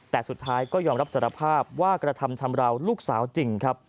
แต่สุดท้ายก็ยอมรับสารภาพว่ากระทำชำราวลูกสาวจริงครับ